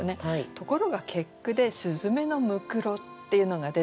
ところが結句で「雀のむくろ」っていうのが出てくる。